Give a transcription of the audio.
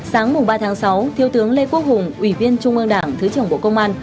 sáng ba tháng sáu thiếu tướng lê quốc hùng ủy viên trung ương đảng thứ trưởng bộ công an